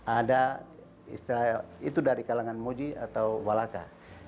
ada istilahnya itu dari kalangan moji atau walaka